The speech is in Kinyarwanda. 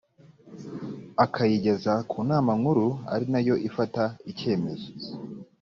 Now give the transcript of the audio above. akayigeza ku nama nkuru ari nayo ifata icyemezo